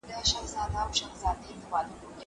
دا غرنۍ ګیدړي څونه وکاله ته راغلې